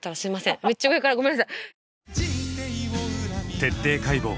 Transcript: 「徹底解剖！